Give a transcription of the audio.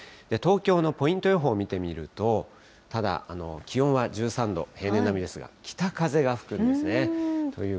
東京のポイント予報を見てみると、ただ、気温は１３度、平年並みですが、北風が吹くんですね。